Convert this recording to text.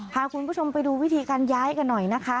พาคุณผู้ชมไปดูวิธีการย้ายกันหน่อยนะคะ